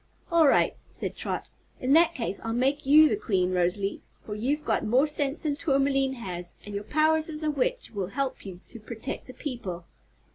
"All right," said Trot. "In that case I'll make you the Queen, Rosalie, for you've got more sense than Tourmaline has and your powers as a witch will help you to protect the people."